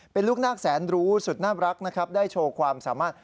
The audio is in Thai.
เป็นลูกนาคแสนรู้สุดน่ารักนะครับได้โชว์ความสามารถ